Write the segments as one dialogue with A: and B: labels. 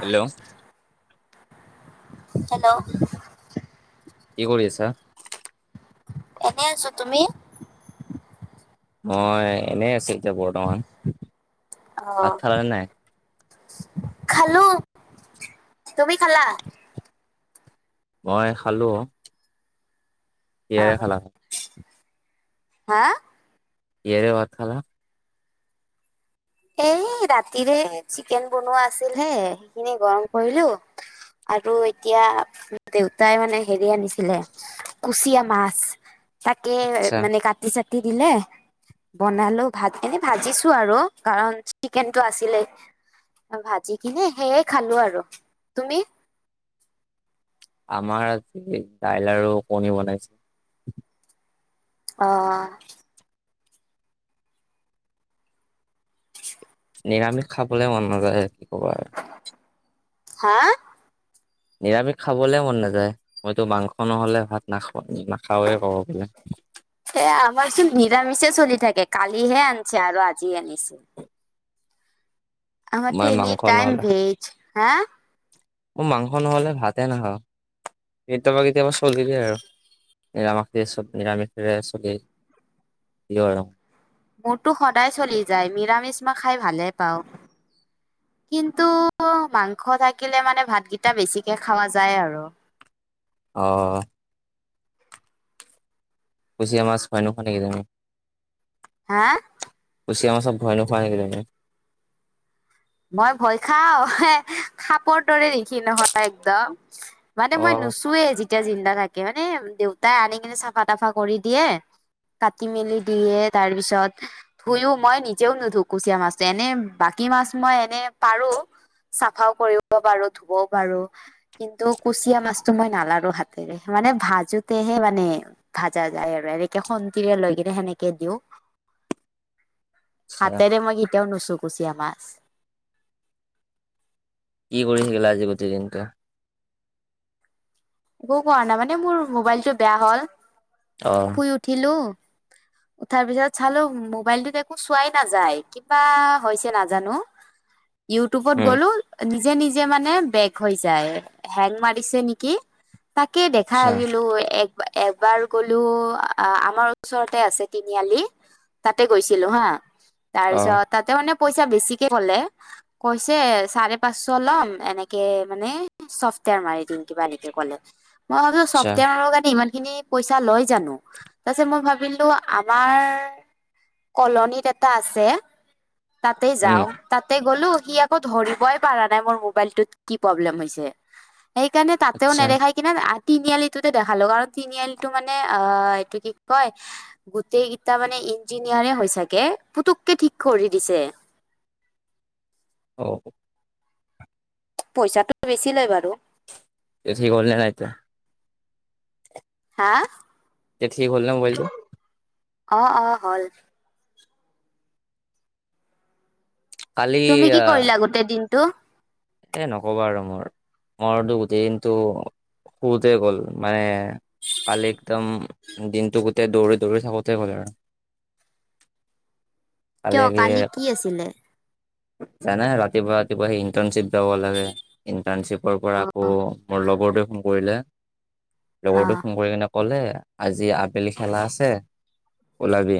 A: Hello.
B: Hello.
A: কি কৰি আছা?
B: এনেই আছোঁ। ‌ তুমি?
A: মই এনে আছোঁ, এতিয়া বৰ্তমান। ভাত
B: অহ'
A: খালানে নাই?
B: খালোঁ, তুমি খালা?
A: মই খালোঁ।
B: অ' হা
A: কিহেৰে ভাত খালা?
B: এই ৰাতিৰে চিকেন বনোৱা আছিলে, হেইখিনি গৰম কৰিলোঁ। আৰু এতিয়া দেউতাই মানে হেৰি আনিছিলে। কুচিয়া মাছ। তাকে
A: আচ্ছা,
B: মানে কাটি চাটি দিলে বনালো, ভাত এনে ভাজিছো আৰু কাৰণ চিকেনটো আছিলে। ভাজি কিনে সেয়ে খালোঁ আৰু তুমি?
A: আমাৰ আজি দাইল আৰু কণী বনাইছে।
B: অহ'
A: নিৰামিষ খাবলৈ মন নাযায় আৰু কি ক'বা আৰু।
B: হা
A: নিৰামিষ খাবলৈ মন নাযায়। মইতো মাংস নহ'লে ভাত নাখাওঁ নাখাওঁৱে ক'ব গ'লে।
B: সেই আমাৰ চোন নিৰামিষে চলি থাকে। কালিহে আনিছে আৰু আজি আনিছে।
A: মই
B: আমাৰতো এনেই
A: মাংস
B: টাইম
A: নহ'লে
B: ভেজ, হা।
A: মই মাংস নহ'লে ভাতে নাখাওঁ। কেতিয়াবা কেতিয়াবা চলি যাই আৰু। নিৰামিষ চ'ব নিৰামিষৰে চলে কিহৰ ৰং
B: মোৰতো সদায় চলি যায়, নিৰামিষ মই খাই ভালে পাওঁ। কিন্তু, মাংস থাকিলে মানে ভাত কেইটা বেছিকে খোৱা যায় আৰু।
A: অহ' কুচিয়া মাছ ভয় নোখোৱা নেকি তুমি?
B: হা
A: কুচিয়া মাছক ভয় নোখোৱা নেকি তেন্তে।
B: মই ভয় খাওঁ, এ খাপৰ দৰে দেখি নহয় একদম। মানে মই
A: অ'
B: নুচোৱে, যেতিয়া জিন্দা থাকে, মানে দেউতাই আনি কিনে চাফা তাফা কৰি দিয়ে। কাটি মেলি দিয়ে। তাৰপিছত, ধুয়েও, মই নিজেও নুধো কুচিয়া মাছ, এনে বাকী মাছ মই এনে পাৰোঁ, চাফাও কৰিব পাৰোঁ, ধুবও পাৰোঁ। কিন্তু, কুচিয়া মাছটো মই নালাৰো হাতেৰে মানে ভাজোতেহে মানে। ভাজা যায় আৰু এনেকে খন্তিৰে লৈ কিনে সেনেকে দিওঁ।
A: [inaudible]
B: হাতেৰে মই কেতিয়াও নুচো কুচিয়া মাছ।
A: কি কৰি থাকিলা আজি গোটেই দিনটো।
B: একো কৰা নাই মানে মোৰ মোবাইলটো বেয়া হ'ল,
A: অ',
B: শুই উঠিলোঁ। তাৰপিছত চালোঁ, মোবাইলটোত একো চোৱাই নাযায়। কিবা হৈছে নাজানোঁ। ইউটিউবত
A: উম,
B: গ'লো নিজে নিজে মানে বেগ হৈ যায় হেং মাৰিছে নেকি? তাকে দেখা
A: আচ্ছা,
B: আহিলোঁ এক। এবাৰ গলোঁ, আমাৰ ওচৰতে আছে তিনিআলি। তাতে গৈছিলোঁ হা
A: অ',
B: তাৰপিছত তাতে মানে পইচা বেছিকে ক'লে। কৈছে, চাৰে পাঁচশ ল'ম এনেকে মানে চফ্টৱেৰৰ মাৰি দিম কিবা এনেকে ক'লে, মই কলোঁ
A: আচ্ছা,
B: চফ্টৱেৰ মাৰিব কাৰণে ইমান খিনি পইচা লয় জানোঁ। তাৰপিছত মই ভাবিলোঁ আমাৰ কলনীত এটা আছে, তাতে
A: উম,
B: যাওঁ। তাতে গ'লো, সি আকৌ ধৰিবই পাৰা নাই মোৰ মবাইলটোত কি প্ৰব্লেম হৈছে। সেইকাৰণে তাতেও
A: আচ্ছা,
B: নেখায় কি তিনিআলিটোতে দেখালো, কাৰণ তিনিআলিটো মানে অহ, এইটো কি কয়। গোটেই কেইটা মানে ইঞ্জিনিয়াৰে হৈ চাগে, পুতুকে ঠিক কৰি দিছে।
A: অহ।
B: পইচাটো বেছি লৈ বাৰু।
A: তে ঠিক হ'লেনে নাই এতিয়া?
B: হা!
A: তে ঠিক হ'লনে মোবাইলটো?
B: অ', অ' হ'ল।
A: কালি
B: তুমি কি
A: আ
B: কৰিলা গোটেই দিনটো?
A: এ নকবা আৰু মোৰ, মোৰটো গোটেই দিনটো ফুৰোতে গ'ল মানে কালি একদম দিনটো গোটেই দৌৰি-দৌৰি থাকোঁতে গ'ল আৰু। কালি
B: কিয়
A: আহি,
B: কি আছিলে
A: জানে ৰাতিপুৱা কিবা সি ইন্টাৰ্ণশ্বিপ যাব লাগে, ইণ্টাৰ্ণশ্বিপৰ পৰা আকৌ মোৰ লগৰটোৱে ফোন কৰিলে।
B: অ
A: লগৰটোৱে ফোন কৰি কিনে ক'লে, আজি আবেলি খেলা আছে ওলাবি।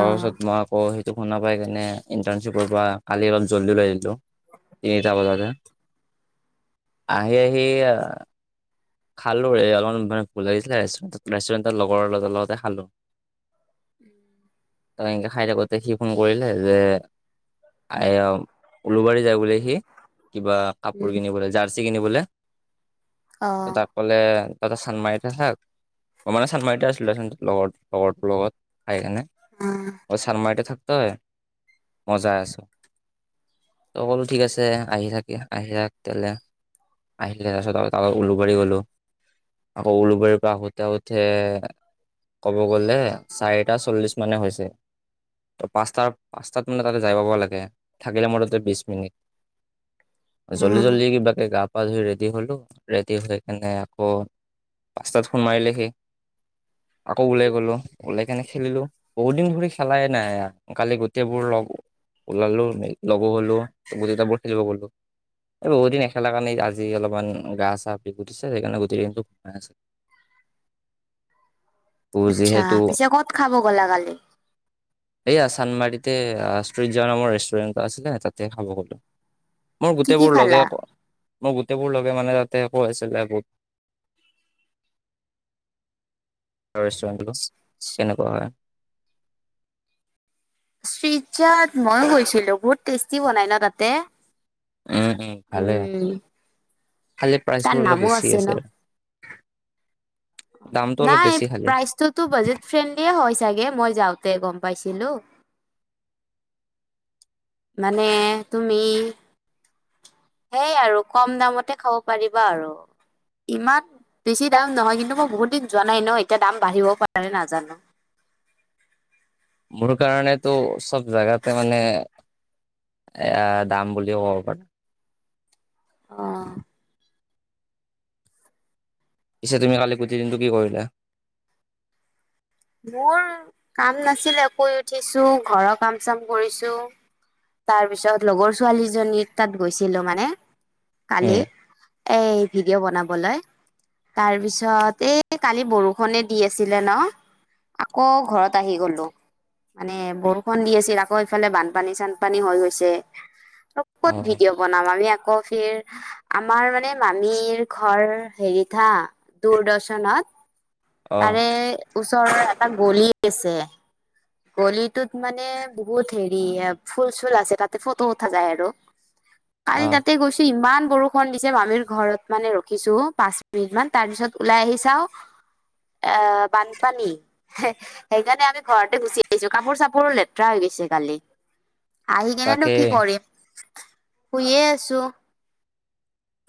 B: অ
A: মই আকৌ সেইটো শুনা পাই কেনে ইণ্টাৰ্ণশ্বিপৰ পৰা কালি অলপ জল্দি ওলাই আহিলোঁ।
B: [unintelligible]
A: তিনিটা বজাতে আহি-আহি খালোঁ এই অলপমান মানে ভুল লাগিছিলে ৰেষ্টুৰেণ্টৰ লগৰ এটাত লগতে খালোঁ।
B: উম।
A: তাত এনকে খায় থাকোঁতে সি ফোন কৰিলে যে উলুবাৰী যায় বোলো সি, কিবা কাপোৰ
B: উম
A: কিনিবলে জাৰ্চি কিনিবলে।
B: অহ।
A: ক'লে তাতে চান্দমাৰীতে থাক, মই মানে চান্দমাৰীতে আছিলোঁ দেচোন লগৰ-লগৰটোৰ লগত। খায় কেনে
B: অ
A: মই চান্দমাৰীতে থাক তই, মই যায় আছোঁ। তই ক'লো ঠিক আছে আহি থাকি, আহি থাক তেনেহলে আহিলে তাৰপিছত [unintelligible] উলুবাৰী গলোঁ। আকৌ উলুবাৰীৰ পৰা আহোতে-আহোতে ক'ব গ'লে চাৰিটা চল্লিশ মানে হৈছে। ত পাঁচাৰ-পাঁচটাত মানে তাতে যায় পাব লাগে, থাকিলে মোৰ ততে বিশ মিনিট।
B: উম
A: জল্দি-জল্দি কিবাকে গা পা ধুই ৰেডি হলোঁ। ৰেডি হৈ কেনে আকৌ পাঁচটাত ফোন মাৰিলে সি। আকৌ ওলাই গলোঁ। বলে কেনে খেলিলোঁ। বহুত দিন ধৰি খেলাই নাই, কালি গোটেইবোৰ লগ ওলালোঁ লগো গলোঁ [unintelligible] খেলিব বোলা। এই বহু দিন নেখেলা কাৰণে আজি অলপমান গা চা বিষ উঠিছে, সেইকাৰণে গোটেই দিনটো সোমাই আছে। আছিলো
B: আচ্ছা,
A: যিহেতু
B: পিছে ক'ত খাব গ'লা কালি?
A: এইয়া চান। দমাৰিতে ষ্টিজা নামৰ ৰেষ্টুৰেণ্ট আছিলে তাতে খাব গ'লো। মোৰ
B: কি কি
A: গোটেইবোৰ
B: খালা
A: লগে, মোৰ গোটেইবোৰ লগে মানে তাতে কৈ আছিলে বু ৰেষ্টুৰেণ্টটো কেনেকুৱা হয়।
B: ষ্টিজাত মইয়ো গৈছিলোঁ, বহুত টেষ্টি বনাই ন' তাতে?
A: উম', হম' ভালে
B: উম।
A: খালী
B: তাৰ
A: প্ৰাইচবোৰ অলপ
B: নামো
A: বেছি
B: ন
A: আছে। দামটো অলপ
B: নাই,
A: বেছি খালি।
B: প্ৰাইজটো তো বাজেট ফ্ৰেণ্ডলিয়ে হয় চাগে, মই যাওঁতে গম পাইছিলো। মানে তুমি সেইয়াই আৰু কম দামতে খাব পাৰিবা আৰু। ইমান, বেছি দাম নহয়, কিন্তু মই বহুত দিন যোৱা নাই ন এতিয়া দাম বাঢ়িব পাৰে নাজানো।
A: মোৰ কাৰণেতো চব জোগাতে মানে এ দাম বুলিও কব পাৰা।
B: অ'।
A: পিছে তুমি কালি গোটেই দিনটো কি কৰিলে।
B: মোৰ কাম নাছিলে, শুই উঠিছো ঘৰৰ কাম চাম কৰিছো। তাৰপিছত লগৰ ছোৱালীজনী তাত গৈছিলো মানে, কালি।
A: উম
B: এই ভিডিঅ' বনাবলৈ। তাৰপিছত, এই কালি বৰষুণে দি আছিলে ন। আকৌ ঘৰত আহি গ'লো। মানে বৰষুণ দি আছিল, আকৌ এইফালে বানপানী চানপানী হৈ গৈছে।
A: অ
B: ক'ত ভিডিঅ' বনাম আমি আকৌ ফিৰ আমাৰ মানে মামীৰ ঘৰ হেৰিত হা, দূৰদৰ্শনত।
A: অ
B: তাৰে ওচৰত এটা গলি আছে। গলিটোত মানে বহুত হেৰি, ফুল চুল আছে, তাতে ফটো উঠা যায় আৰু।
A: [inaudible]
B: কালি তাতে গৈছিলো। ইমান বৰষুণ দিছে, মামীৰ ঘৰত মানে ৰখিছো পাঁচ মিনিট মান, তাৰ পিছত ওলাই আহি চাওঁ আ বানপানী, সেইকাৰণে আমি ঘৰতে গুচি ছো কাপোৰ চাপোৰো লেতেৰা হৈ গৈছে কালি, আহি কিনেনো
A: তাকে
B: কি কৰিম। শুয়ে আছো।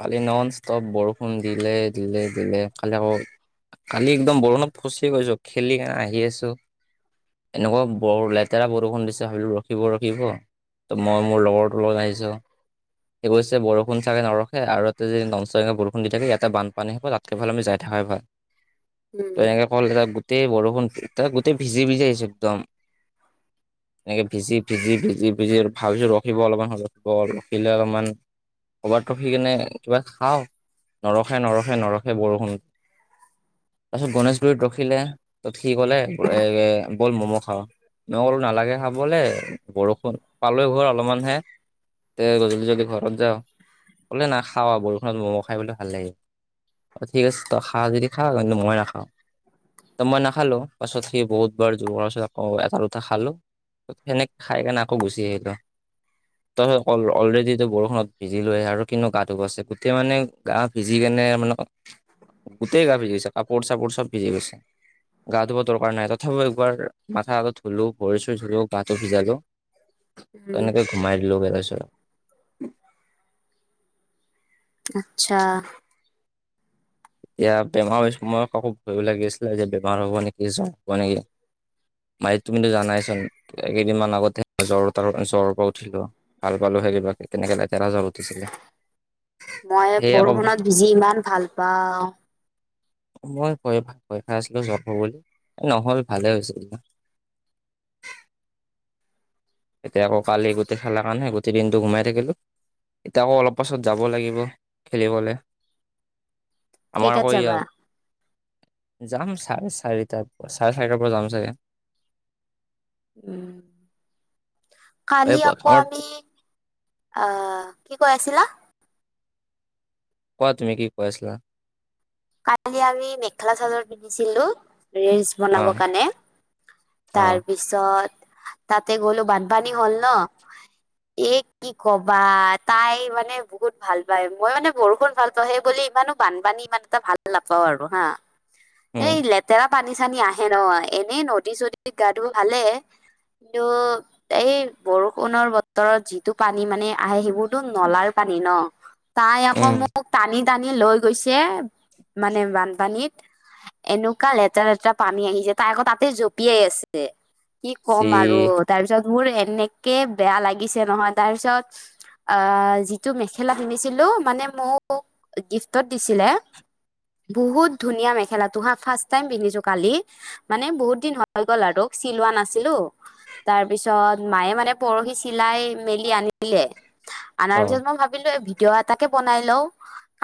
A: কালি নন ষ্টপ বৰষুণ দিলে দিলে, দিলে, কালি আকৌ কালি একদম বৰষুণত ফচি গৈছো, খেলি আহি আছো এনেকুৱা বৰ লেতেৰা বৰষুণ দিছে, ভাবিলো ৰখিব ৰখিব। ত মই মোৰ লগৰ ত লগত আহিছো, সি কৈছে বৰুষুণ চাগে নৰ আৰু ইয়াতে যে নন ষ্টপ বৰষুণ দি থাকে, ইয়াতে বানপানী হয়, তাতকে ভাল আমি যাই থাকাই ভাল। ত
B: উম
A: এ ফল এটা গোটেই বৰষুণ, এটা গোটেই ভিজি ভিজি আহিছো একদম। এনেকে ভিজি, ভিজি, ভিজি, ভিজি, ভাবিলো ওৱাকিঙ অলপমান হ'ব, ৰখিব ৰখিলে অলপমান কৰবাত ৰখি কেনে কিবা খাওঁ, নৰখে, নৰখে, নৰখে, বৰষুণ। তাৰপিছত গণেশগুৰিত ৰখিলে। তত সি ক'লে, ব'ল ম'ম' খাওঁ, মই ক'লো নালাগে খাবলৈ। বৰষুণ, পালোৱেই ঘৰ অলপমানহে, তে গধূলি যদি ঘৰত যাওঁ ক'লে নাখাও আৰু বৰষুত ম'ম' খাই বোলে ভাল লাগিব। অ' ঠিক আছে, তই খা যদি খা, কিন্তু মই নাখাওঁ। ত মই নাখালো, পাছত সি বহুত বাৰ জোৰ পাছত আকৌ এটা দুটা খালো। সেনেক খাই কেণে আকৌ গুচি আহিলো। ত অলৰেডি বৰষুণত ভিজিলোৱে আৰু কিনো গা ধুবছে গোটেই মানে গা ভিজি কেনে, মানে গোটেই গা ভিজি গৈছে, কাপোৰ চাপোৰ চব ভিজি গৈছে। গা ধোৱ দৰকাৰ নাই, তথাপিও একবাৰ মাথাতো ধুলো, ভৰি চৰি ধুলো গাটো ভিজালো।
B: উম
A: তেনেকে ঘোমাই দিলো গে তাৰপিছত।
B: আচ্ছা।
A: এতিয়া বেমাৰ হৈ সময়ত আকৌ ভয়ো লাগিছিলে যে বেমাৰ হ'ব নেকি জ্ব হব নেকি। ভাই তুমিটো জানাইচোন এই কেইদিনমান আগত জ্বৰ ত জ্বৰ পৰা উঠিলোঁ। ভাল পালোঁ সেই কিবাকে কেনেকে লেতেৰা জল উঠিছিলে সেয়া আকৌ
B: যিমান ভাল পাওঁ।
A: মই ভয় খাই আছিলোঁ আছিলোঁ জব হ'বলৈ নহ'ল ভালে হৈছিল। এতিয়া আকৌ কালি গোটেই খেলা কাৰণে গোটেই দিনটো ঘোমাই থাকিলোঁ। এতিয়া আকৌ অলপ পাছত যাব লাগিব খেলিবলৈ। আমাৰ
B: কেইটাত
A: আকৌ ইয়া
B: যাবা
A: যাম চাৰে চাৰিটাৰ পৰা চাৰে চাৰিটাৰ পৰা যাম চাগে।
B: উ
A: এই
B: কালি আকৌ
A: আমাৰ
B: আমি অহ কি কৈ আছিলা?
A: কোৱা তুমি কি কৈ আছিলা।
B: কালি আমি মেখেলা চাদৰ পিন্ধিছিলোঁ ৰেজ
A: অ
B: বনাব কাৰণে
A: অ
B: তাৰ পিছত ত' তাতে গ'লো বানপানী হ'ল ন। এ কি কবা তাই মানে বহুত ভাল পায় মই মানে বৰষুণ ভাল পাওঁ সেই বুলি ইমানো বানপানী ইমান এটা ভাল নাপাওঁ আৰু হা
A: উম
B: এই লে তেৰা পানী চানী আহে ন এনেই নদী চদীত গা ধু ভালে কিন্তু এই বৰষুণৰ বতৰত যিটো পানী মানে আহে সেইবোৰতো নলাৰ পানী ন। তাই আকৌ
A: উম
B: মোক টানি, টানি লৈ গৈছে। মানে বানপানীত এনেকুৱা লেতেৰা লেতেৰা পানী আহিছে তাই আকৌ তাতে জঁপিয়াই আছে। দে কি ক'ম
A: চি
B: আৰু। তাৰপিছত মোৰ এনেকে বেয়া লাগিছে নহয় তাৰপিছত আ, যিটো মেখেলা কিন্ধিছিলো মানে মোক গিফ্টত দিছিলে। বহুত ধুনীয়া মেখেলা তোহ ফাৰ্ট টাইম পিন্ধিছোঁ কালি মানে বহুত দিন হৈ গ'ল আৰু চিলোৱা নাছিলোঁ। তাৰ পিছত মায়ে মানে পৰহি চিলাই মেলি আনিলে।
A: অ
B: আনাৰ পিছত মই ভাবিলোঁ এই ভিডিঅ' এটাকে বনাই লও,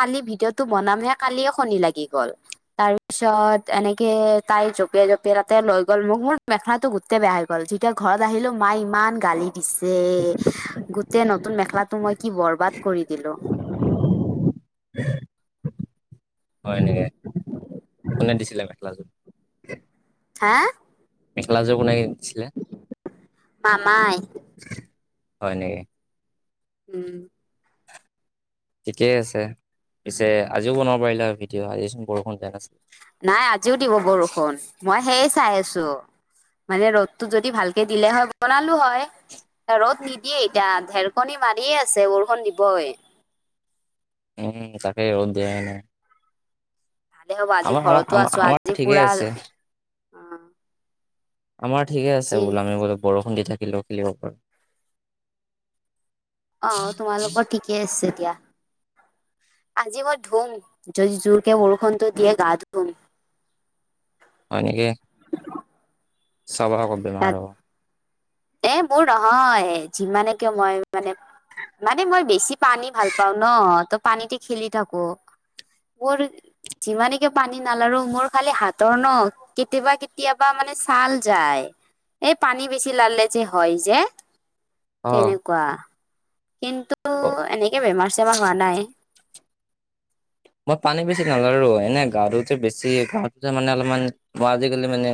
B: কালি ভিডিঅ'টো বনাম হে কালিয়ে শনি লাগি গ'ল। তাৰ পিছত এনেকে তাই জঁপিয়াই জঁপিয়াই তাতে লৈ গ'ল মোক মোৰ মেখেলাটো গোটেই বেয়া হৈ গ'ল। গ'ল তেতিয়া ঘৰত আহিলো মায় ইমান গালি দিছে গোটেই নতুন মেখেলাটো মই কি বৰবাদ কৰি দিলোঁ।
A: [unintelligible] হয় নেকি, কোনে দিছিলে মেখেলাযোৰ?
B: হা?
A: মেখেলাযোৰ কোনে কিনি দিছিলে?
B: মামাই।
A: হয় নেকি।
B: উম।
A: ঠিকেই আছে পিছে আজিও বনাব পাৰিলে আৰু ভিডিঅ' আজিচোন বৰষুণ দিয়া নাছিল।
B: নাই আজিও দিব বৰষুণ, মই সেয়াই চাই আছোঁ। মানে ৰ'দটো যদি ভালকে দিলে হয় বনালো হয়। ৰ'দ নিদিয়ে এতিয়া ঢেৰকণী মাৰিয়ে আছে, বৰষুণ দিবই।
A: উম, তাকে ৰ'দ দিয়ে নে নাই।
B: ভালে হ'ব আজি
A: আমাৰ আমাৰ
B: ঘৰতো
A: আমাৰ
B: আছো
A: আমাৰ
B: আজি
A: ঠিকে
B: পুৰা
A: আছে
B: অ
A: আমাৰ ঠিকে আছে
B: আজি
A: বোলে, আমি বোলো বৰষুণ দি থাকিলেও খেলিব পাৰো।
B: অ, তোমালোকৰ ঠিকে আছে দিয়া। আজি মই ধুম য-জোৰকে বৰষুণতো দিয়ে গাটো ধুম।
A: হয় নেকি? চাবা আকৌ বেমাৰ হ'ব।
B: এ, মোৰ নহয়, যিমানে কিয় মই মানে মানে মই বেছি পানী ভাল পাওঁ ন' ত, পানীতে খেলি থাকো। মোৰ যিমানে কে পানী নালাৰো মোৰ খালি হাতৰ ন কেতিয়াবা-কেতিয়াবা মানে ছাল যায়। এই পানী বেছি লালে, যে হয় যে
A: অ
B: তেনেকুৱা। কিন্তু এনেকে বেমাৰ-চেমাৰ হোৱা নাই।
A: মই পানী বেছি নালোৰো, এনে গাটোতে বেছি গাতে মানে অলপমান, মই আজিকালি মানে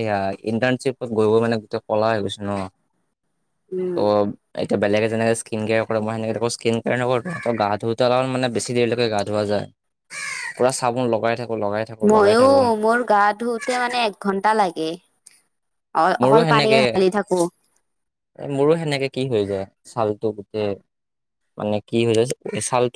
A: এয়া ইণ্টাৰ্ণশ্বিপত গৈ মানে গোটেই ক'লা হৈ গৈছোঁ ন, ত
B: উম
A: এতিয়া বেলেগ এজনে স্কিন কেয়াৰ কৰে, মই সেনে স্কিন কেয়াৰ নকৰো ত' গা ধোওঁতে অলপ মানে দেৰিলৈকে গা ধোৱা যায়। পুৰা চাবোন লগাই থাকো লগাই থাকো লগাই
B: ময়ো
A: থাকো
B: মোৰ গা, ধুওতে মানে এক ঘন্টা লাগে। অ
A: মোৰো
B: অকল পানী
A: সেনেকে
B: ঢালি থাকো।
A: এ, মোৰো সেনেকে, কি হৈ যায় ছালটো গোটেই মানে কি হৈ যায় ছালটো